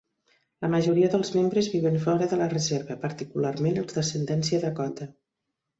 La majoria dels membres viuen fora de la reserva, particularment els d'ascendència Dakota.